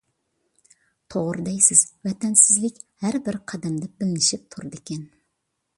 توغرا دەيسىز. ۋەتەنسىزلىك ھەربىر قەدەمدە بىلىنىشىپ تۇرىدىكەن.